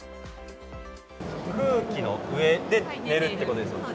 空気の上で寝るってことですよね？